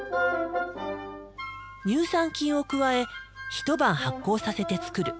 乳酸菌を加え一晩発酵させて作る。